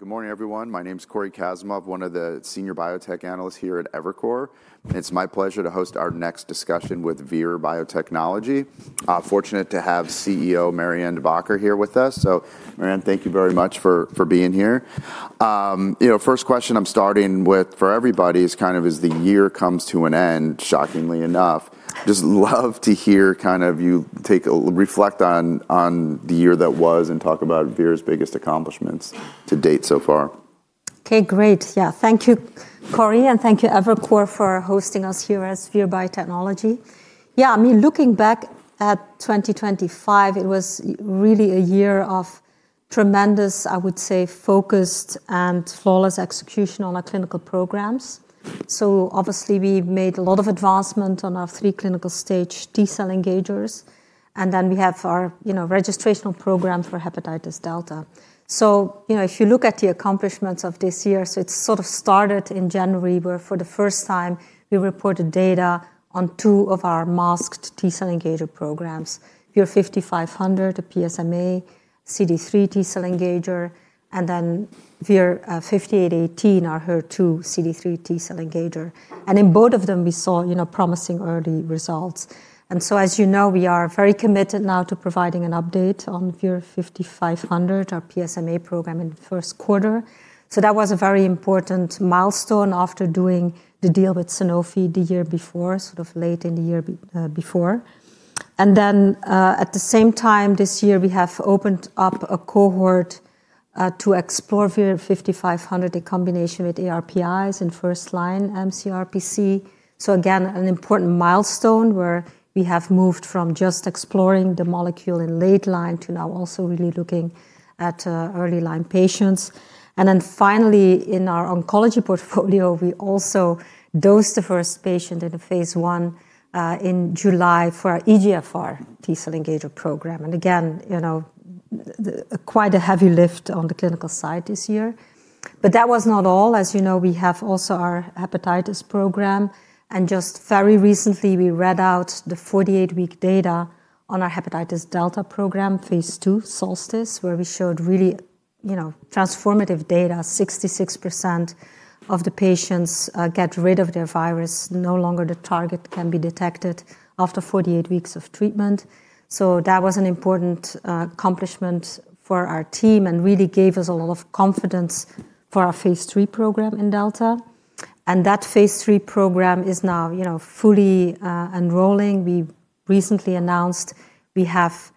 Good morning, everyone. My name is Cory Kasimov, one of the senior biotech analysts here at Evercore. It's my pleasure to host our next discussion with Vir Biotechnology. Fortunate to have CEO Marianne D. De Backer here with us. So, Marianne, thank you very much for being here. First question I'm starting with for everybody is kind of, as the year comes to an end, shockingly enough, just love to hear kind of you reflect on the year that was and talk about Vir's biggest accomplishments to date so far. Okay, great. Yeah, thank you, Cory, and thank you, Evercore, for hosting us here at Vir Biotechnology. Yeah, I mean, looking back at 2025, it was really a year of tremendous, I would say, focused and flawless execution on our clinical programs. So, obviously, we made a lot of advancement on our three clinical stage T cell engagers. And then we have our registration program for hepatitis delta. So, you know, if you look at the accomplishments of this year, so it sort of started in January where, for the first time, we reported data on two of our masked T cell engager programs. Vir-5500, a PSMA CD3 T cell engager, and then Vir-5818, our HER2 CD3 T cell engager. And in both of them, we saw promising early results. So, as you know, we are very committed now to providing an update on Vir-5500, our PSMA program in the first quarter. That was a very important milestone after doing the deal with Sanofi the year before, sort of late in the year before. At the same time, this year, we have opened up a cohort to explore Vir-5500 in combination with ARPIs in first line MCRPC. Again, an important milestone where we have moved from just exploring the molecule in late line to now also really looking at early line patients. Then finally, in our oncology portfolio, we also dosed the first patient in phase 1 in July for our EGFR T cell engager program. Again, quite a heavy lift on the clinical side this year. That was not all. As you know, we have also our hepatitis program. Just very recently, we read out the 48-week data on our Hepatitis Delta program, phase two, Solstice, where we showed really transformative data. 66% of the patients get rid of their virus. No longer the target can be detected after 48 weeks of treatment. That was an important accomplishment for our team and really gave us a lot of confidence for our phase three program in Delta. That phase three program is now fully enrolling. We recently announced we have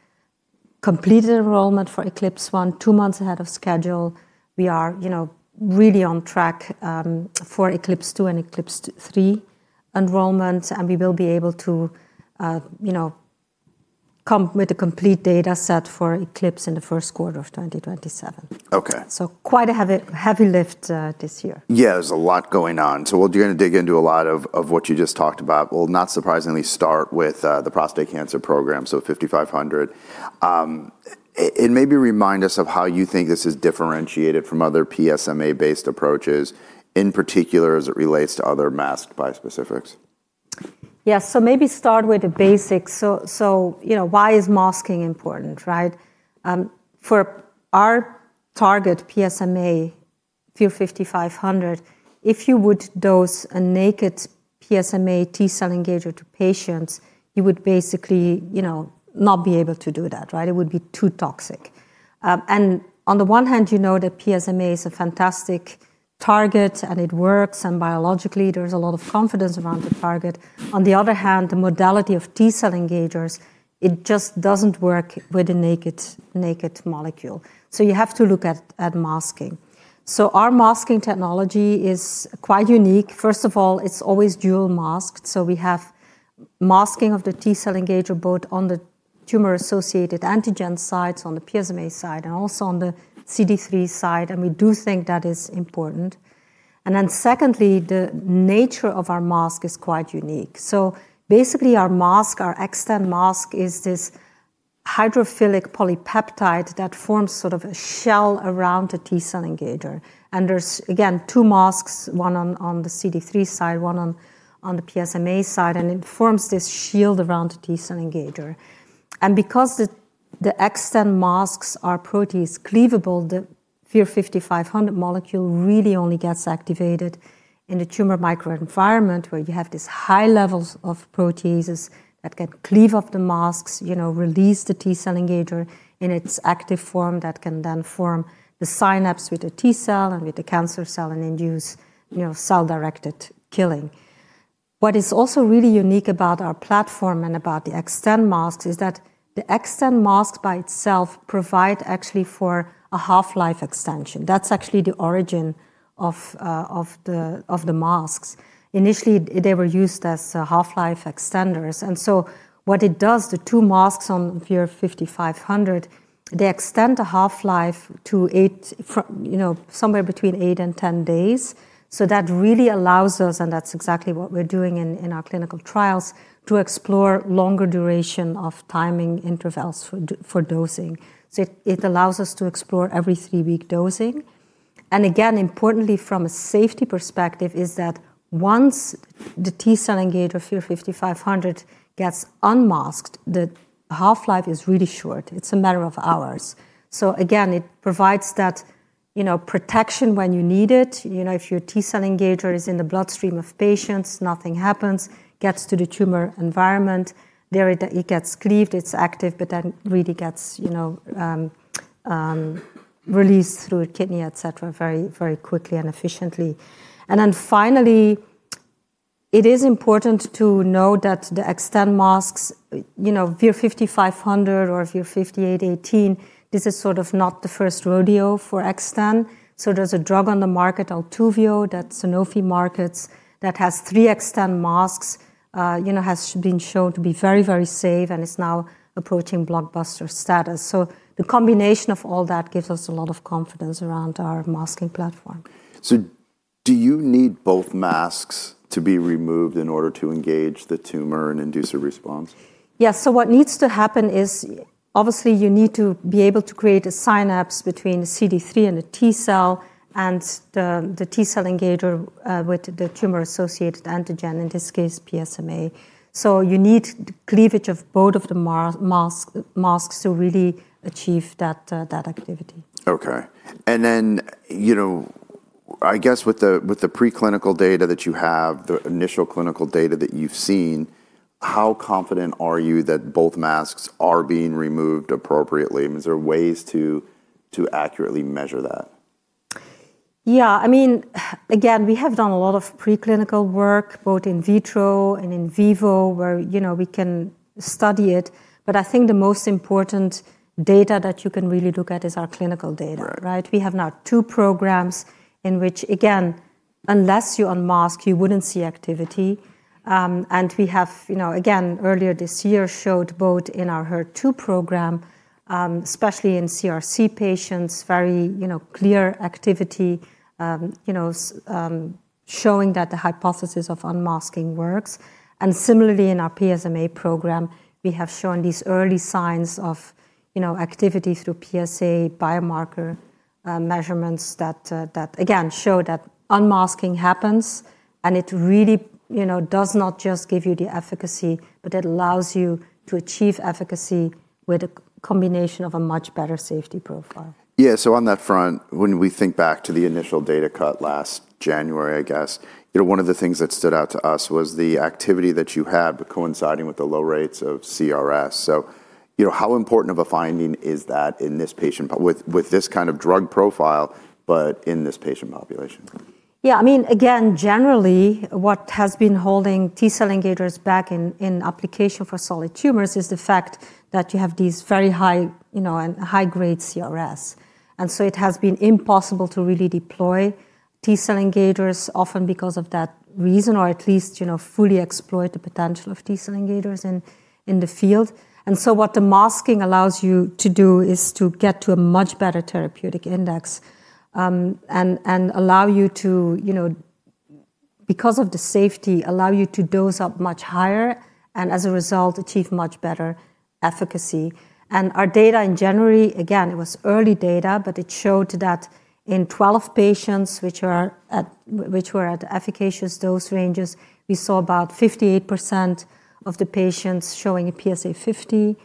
completed enrollment for Eclipse one two months ahead of schedule. We are really on track for Eclipse two and Eclipse three enrollment, and we will be able to come with a complete data set for Eclipse in the first quarter of 2027. Okay. So quite a heavy lift this year. Yeah, there's a lot going on. So we're going to dig into a lot of what you just talked about. We'll not surprisingly start with the prostate cancer program, so 5500. And maybe remind us of how you think this is differentiated from other PSMA-based approaches, in particular as it relates to other masked bispecifics. Yeah, so maybe start with the basics. So why is masking important, right? For our target PSMA Vir-5500, if you would dose a naked PSMA T cell engager to patients, you would basically not be able to do that, right? It would be too toxic. And on the one hand, you know that PSMA is a fantastic target and it works, and biologically there's a lot of confidence around the target. On the other hand, the modality of T cell engagers, it just doesn't work with a naked molecule. So you have to look at masking. So our masking technology is quite unique. First of all, it's always dual masked. So we have masking of the T cell engager both on the tumor-associated antigen side, so on the PSMA side, and also on the CD3 side. And we do think that is important. And then secondly, the nature of our mask is quite unique. So basically, our mask, our Xtend mask, is this hydrophilic polypeptide that forms sort of a shell around the T cell engager. And there's, again, two masks, one on the CD3 side, one on the PSMA side, and it forms this shield around the T cell engager. And because the Xtend masks are protease cleavable, the Vir-5500 molecule really only gets activated in the tumor microenvironment where you have these high levels of proteases that can cleave up the masks, release the T cell engager in its active form that can then form the synapse with the T cell and with the cancer cell and induce cell-directed killing. What is also really unique about our platform and about the Xtend masks is that the Xtend masks by itself provide actually for a half-life extension. That's actually the origin of the masks. Initially, they were used as half-life extenders. And so what it does, the two masks on Vir-5500, they extend the half-life to somewhere between eight and 10 days. So that really allows us, and that's exactly what we're doing in our clinical trials, to explore longer duration of timing intervals for dosing. So it allows us to explore every three-week dosing. And again, importantly, from a safety perspective, is that once the T cell engager Vir-5500 gets unmasked, the half-life is really short. It's a matter of hours. So again, it provides that protection when you need it. If your T cell engager is in the bloodstream of patients, nothing happens, gets to the tumor environment, it gets cleaved, it's active, but then really gets released through a kidney, et cetera, very quickly and efficiently. And then finally, it is important to know that the Xtend masks, Vir-5500 or Vir-5818, this is sort of not the first rodeo for Xtend. So there's a drug on the market, Altuvio, that Sanofi markets that has three Xtend masks, has been shown to be very, very safe and is now approaching blockbuster status. So the combination of all that gives us a lot of confidence around our masking platform. Do you need both masks to be removed in order to engage the tumor and induce a response? Yeah, so what needs to happen is, obviously, you need to be able to create a synapse between the CD3 and the T cell and the T cell engager with the tumor-associated antigen, in this case, PSMA. So you need cleavage of both of the masks to really achieve that activity. Okay. And then I guess with the preclinical data that you have, the initial clinical data that you've seen, how confident are you that both masks are being removed appropriately? I mean, is there ways to accurately measure that? Yeah, I mean, again, we have done a lot of preclinical work, both in vitro and in vivo where we can study it. But I think the most important data that you can really look at is our clinical data, right? We have now two programs in which, again, unless you unmask, you wouldn't see activity. And we have, again, earlier this year showed both in our HER2 program, especially in CRC patients, very clear activity showing that the hypothesis of unmasking works. And similarly, in our PSMA program, we have shown these early signs of activity through PSA biomarker measurements that, again, show that unmasking happens and it really does not just give you the efficacy, but it allows you to achieve efficacy with a combination of a much better safety profile. Yeah, so on that front, when we think back to the initial data cut last January, I guess, one of the things that stood out to us was the activity that you had coinciding with the low rates of CRS. So how important of a finding is that in this patient with this kind of drug profile, but in this patient population? Yeah, I mean, again, generally, what has been holding T cell engagers back in application for solid tumors is the fact that you have these very high-grade CRS. And so it has been impossible to really deploy T cell engagers often because of that reason, or at least fully exploit the potential of T cell engagers in the field. And so what the masking allows you to do is to get to a much better therapeutic index and allow you to, because of the safety, allow you to dose up much higher and as a result, achieve much better efficacy. And our data in January, again, it was early data, but it showed that in 12 patients which were at efficacious dose ranges, we saw about 58% of the patients showing a PSA of 50,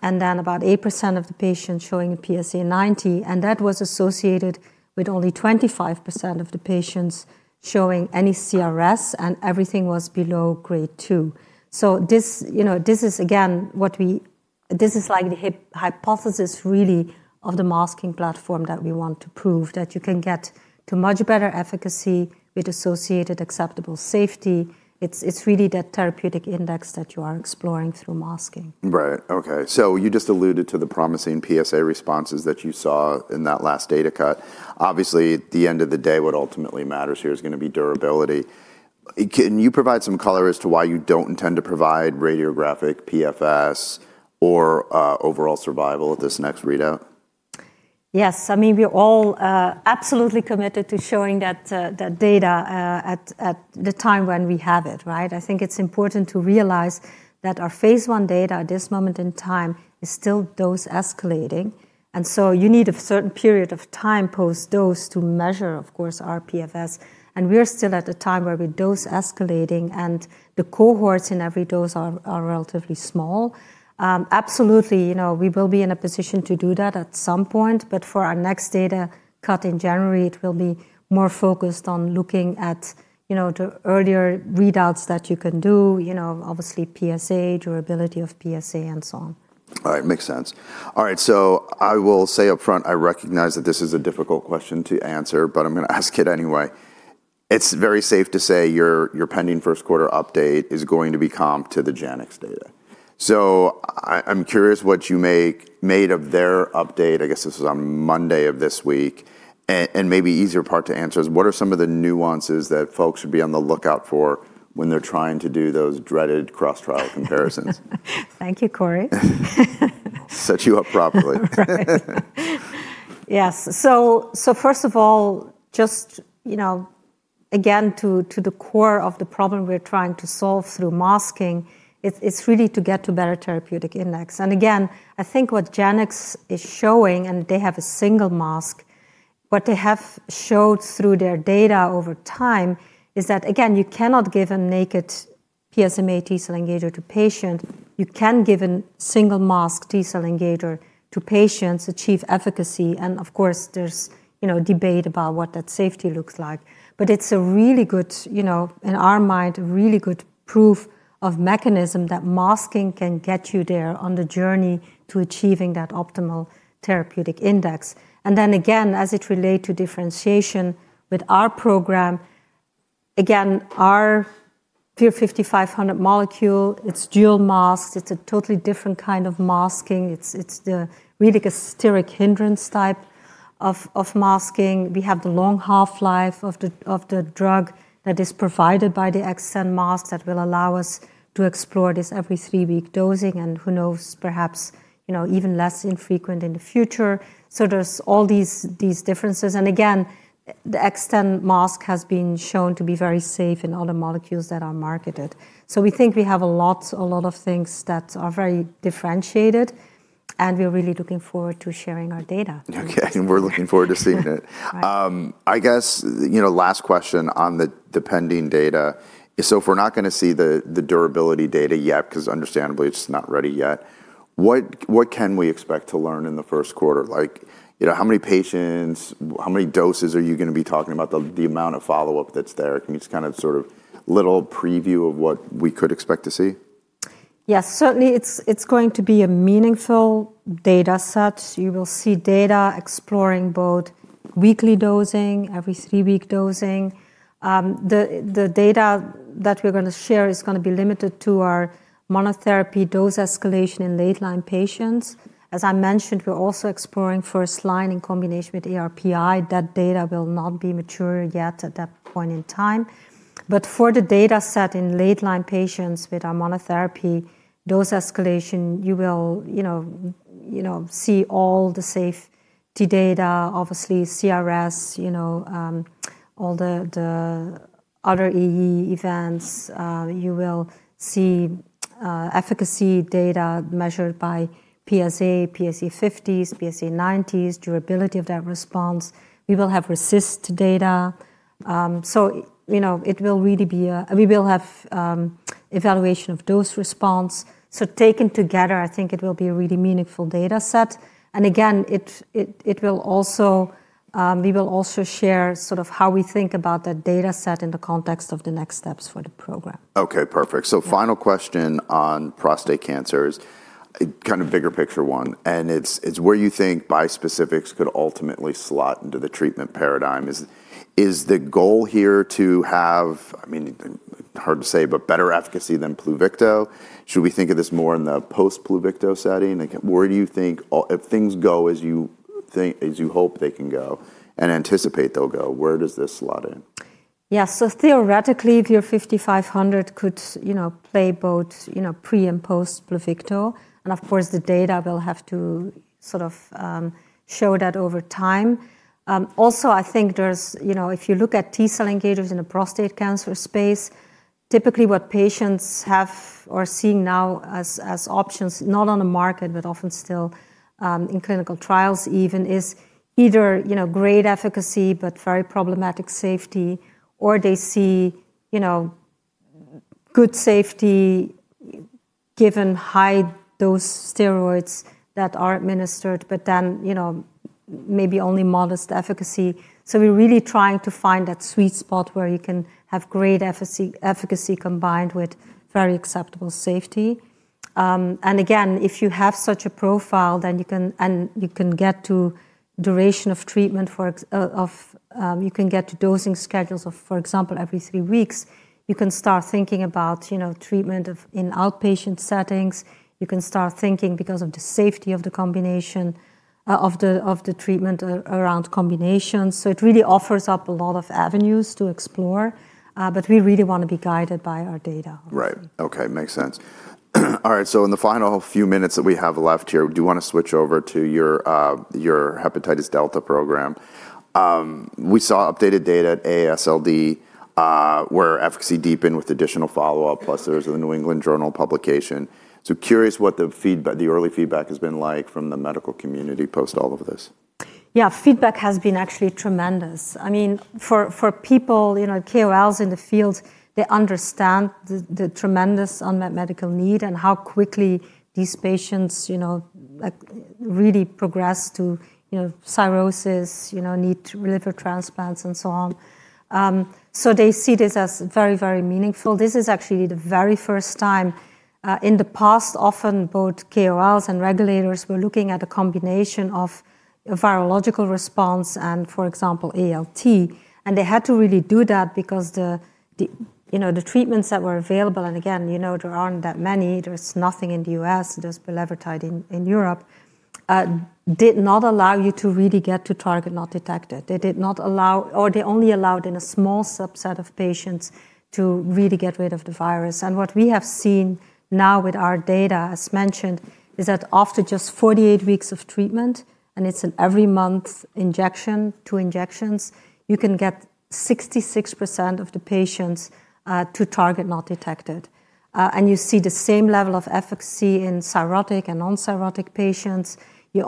and then about 8% of the patients showing a PSA of 90. And that was associated with only 25% of the patients showing any CRS, and everything was below grade two. So this is, again, this is like the hypothesis really of the masking platform that we want to prove that you can get to much better efficacy with associated acceptable safety. It's really that therapeutic index that you are exploring through masking. Right, okay. So you just alluded to the promising PSA responses that you saw in that last data cut. Obviously, at the end of the day, what ultimately matters here is going to be durability. Can you provide some color as to why you don't intend to provide radiographic PFS or overall survival at this next readout? Yes, I mean, we're all absolutely committed to showing that data at the time when we have it, right? I think it's important to realize that our phase 1 data at this moment in time is still dose escalating. And so you need a certain period of time post-dose to measure, of course, our PFS. And we're still at a time where we're dose escalating, and the cohorts in every dose are relatively small. Absolutely, we will be in a position to do that at some point, but for our next data cut in January, it will be more focused on looking at the earlier readouts that you can do, obviously PSA, durability of PSA, and so on. All right, makes sense. All right, so I will say upfront, I recognize that this is a difficult question to answer, but I'm going to ask it anyway. It's very safe to say your pending first quarter update is going to be comped to the JANX data. So I'm curious what you made of their update. I guess this was on Monday of this week. And maybe easier part to answer is what are some of the nuances that folks should be on the lookout for when they're trying to do those dreaded cross-trial comparisons? Thank you, Cory. Set you up properly. Yes, so first of all, just again, to the core of the problem we're trying to solve through masking, it's really to get to better therapeutic index. And again, I think what JANX is showing, and they have a single mask, what they have showed through their data over time is that, again, you cannot give a naked PSMA T cell engager to patients. You can give a single mask T cell engager to patients, achieve efficacy. And of course, there's debate about what that safety looks like. But it's a really good, in our mind, a really good proof of mechanism that masking can get you there on the journey to achieving that optimal therapeutic index. And then again, as it relates to differentiation with our program, again, our Vir-5500 molecule, it's dual masks. It's a totally different kind of masking. It's the really steric hindrance type of masking. We have the long half-life of the drug that is provided by the Xtend mask that will allow us to explore this every three-week dosing and who knows, perhaps even less frequent in the future. So there's all these differences. And again, the Xtend mask has been shown to be very safe in other molecules that are marketed. So we think we have a lot of things that are very differentiated, and we're really looking forward to sharing our data. Okay, and we're looking forward to seeing it. I guess last question on the pending data. So if we're not going to see the durability data yet, because understandably, it's not ready yet, what can we expect to learn in the first quarter? How many patients, how many doses are you going to be talking about, the amount of follow-up that's there? Can you just kind of sort of little preview of what we could expect to see? Yes, certainly it's going to be a meaningful data set. You will see data exploring both weekly dosing, every three-week dosing. The data that we're going to share is going to be limited to our monotherapy dose escalation in late-line patients. As I mentioned, we're also exploring first line in combination with ARPI. That data will not be mature yet at that point in time. But for the data set in late-line patients with our monotherapy dose escalation, you will see all the safety data, obviously CRS, all the other AE events. You will see efficacy data measured by PSA, PSA 50s, PSA 90s, durability of that response. We will have RECIST data. So it will really be a, we will have evaluation of dose response. So taken together, I think it will be a really meaningful data set. Again, we will also share sort of how we think about that data set in the context of the next steps for the program. Okay, perfect, so final question on prostate cancer is kind of bigger picture one, and it's where you think bispecifics could ultimately slot into the treatment paradigm. Is the goal here to have, I mean, hard to say, but better efficacy than Pluvicto? Should we think of this more in the post-Pluvicto setting? Where do you think if things go as you hope they can go and anticipate they'll go, where does this slot in? Yeah, so theoretically, Vir-5500 could play both pre and post-Pluvicto. And of course, the data will have to sort of show that over time. Also, I think if you look at T cell engagers in the prostate cancer space, typically what patients have or are seeing now as options, not on the market, but often still in clinical trials even, is either great efficacy, but very problematic safety, or they see good safety given high-dose steroids that are administered, but then maybe only modest efficacy. So we're really trying to find that sweet spot where you can have great efficacy combined with very acceptable safety. And again, if you have such a profile, then you can get to duration of treatment, you can get to dosing schedules of, for example, every three weeks. You can start thinking about treatment in outpatient settings. You can start thinking because of the safety of the combination of the treatment around combinations. So it really offers up a lot of avenues to explore, but we really want to be guided by our data. Right, okay, makes sense. All right, so in the final few minutes that we have left here, do you want to switch over to your Hepatitis Delta program? We saw updated data at AASLD where efficacy deepened with additional follow-up, plus there was a New England Journal publication. So, curious what the early feedback has been like from the medical community post all of this. Yeah, feedback has been actually tremendous. I mean, for people, KOLs in the field, they understand the tremendous unmet medical need and how quickly these patients really progress to cirrhosis, need liver transplants and so on. So they see this as very, very meaningful. This is actually the very first time in the past. Often both KOLs and regulators were looking at a combination of virological response and, for example, ALT. They had to really do that because the treatments that were available, and again, there aren't that many, there's nothing in the U.S., there's Bulevirtide in Europe, did not allow you to really get to target not detected. They did not allow, or they only allowed in a small subset of patients to really get rid of the virus. What we have seen now with our data, as mentioned, is that after just 48 weeks of treatment, and it's an every month injection, two injections, you can get 66% of the patients to target not detected. You see the same level of efficacy in cirrhotic and non-cirrhotic patients. You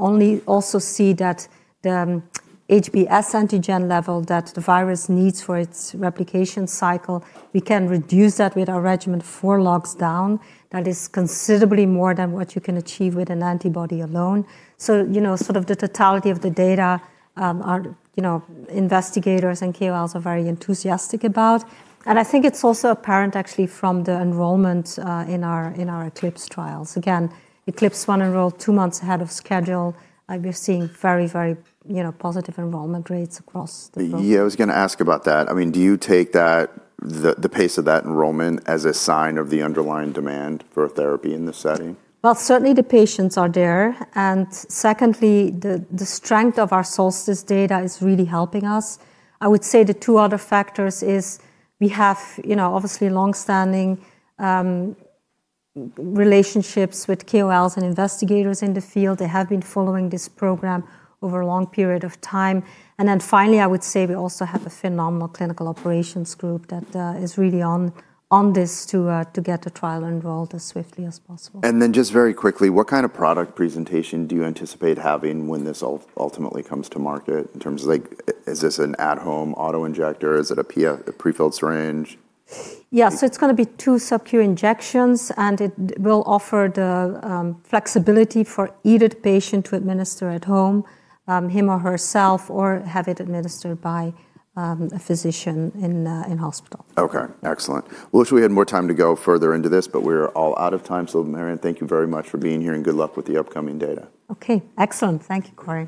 also see that the HBsAg level that the virus needs for its replication cycle, we can reduce that with our regimen four logs down. That is considerably more than what you can achieve with an antibody alone. Sort of the totality of the data investigators and KOLs are very enthusiastic about. I think it's also apparent actually from the enrollment in our Eclipse trials. Again, Eclipse 1 enrolled two months ahead of schedule. We're seeing very, very positive enrollment rates across the board. Yeah, I was going to ask about that. I mean, do you take the pace of that enrollment as a sign of the underlying demand for therapy in this setting? Certainly the patients are there. And secondly, the strength of our Solstice data is really helping us. I would say the two other factors is we have obviously long-standing relationships with KOLs and investigators in the field. They have been following this program over a long period of time. And then finally, I would say we also have a phenomenal clinical operations group that is really on this to get the trial enrolled as swiftly as possible. And then just very quickly, what kind of product presentation do you anticipate having when this ultimately comes to market in terms of, is this an at-home auto injector? Is it a prefilled syringe? Yeah, so it's going to be two subcu injections, and it will offer the flexibility for either the patient to administer at home, him or herself, or have it administered by a physician in hospital. Okay, excellent. Well, we had more time to go further into this, but we're all out of time. So Marianne, thank you very much for being here and good luck with the upcoming data. Okay, excellent. Thank you, Cory.